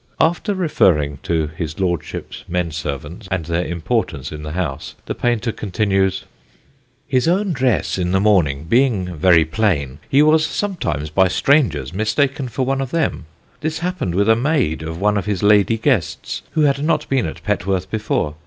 After referring to his Lordship's men servants and their importance in the house, the painter continues: "His own dress, in the morning, being very plain, he was sometimes by strangers mistaken for one of them. This happened with a maid of one of his lady guests, who had not been at Petworth before.